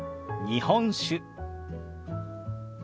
「日本酒」。